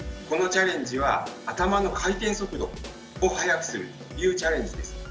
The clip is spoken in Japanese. このチャレンジは頭の回転速度を速くするというチャレンジです。